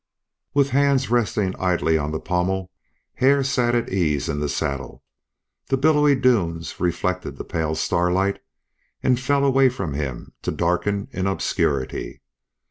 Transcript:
With hands resting idly on the pommel Hare sat at ease in the saddle. The billowy dunes reflected the pale starlight and fell away from him to darken in obscurity.